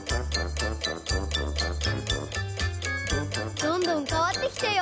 どんどんかわってきたよ。